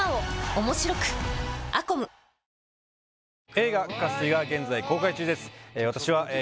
映画「渇水」が現在公開中ですええ